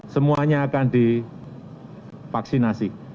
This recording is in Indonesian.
semuanya akan divaksinasi